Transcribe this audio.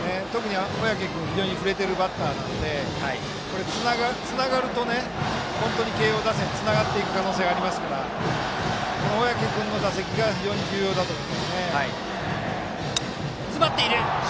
小宅君は非常に振れているバッターなのでつながると本当に慶応打線つながっていく可能性がありますから小宅君の打席が重要だと思います。